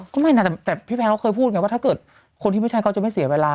ไม่นะแต่พี่แพนเขาเคยพูดไงว่าถ้าเกิดคนที่ไม่ใช่เขาจะไม่เสียเวลา